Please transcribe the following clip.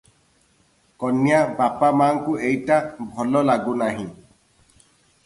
କନ୍ୟା ବାପ ମାଙ୍କୁ ଏଇଟା ଭଲ ଲାଗୁନାହିଁ ।